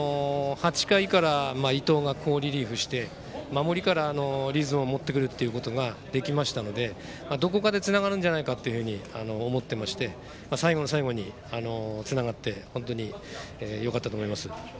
８回から伊藤が好リリーフして守りからリズムを持ってこられたのでどこかでつながると思っていたので最後の最後につながって本当によかったと思います。